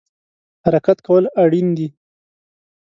حرکت کول اړین دی